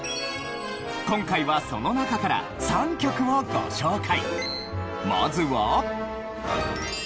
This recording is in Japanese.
今回はその中から３曲をご紹介。